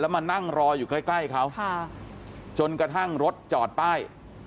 มานั่งรออยู่ใกล้ใกล้เขาจนกระทั่งรถจอดป้าย